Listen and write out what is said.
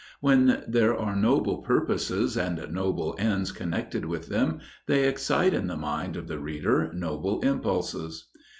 When there are noble purposes and noble ends connected with them, they excite in the mind of the reader, noble impulses.